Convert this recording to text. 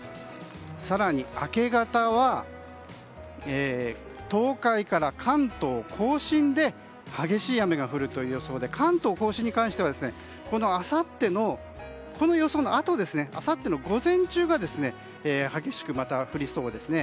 更に、明け方は東海から関東・甲信で激しい雨が降るという予想で関東・甲信についてはあさっての予想のあとあさっての午前中が激しくまた降りそうですね。